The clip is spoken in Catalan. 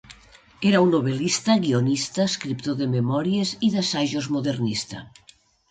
Era un novel·lista, guionista, escriptor de memòries i d'assajos modernista.